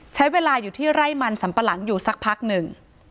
ใช้เวลาอยู่ที่ไร่มันสัมปะหลังอยู่สักพักหนึ่ง